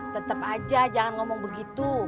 tetap aja jangan ngomong begitu